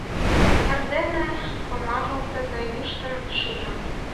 Эрдене помыжалте да йӱштым шиже.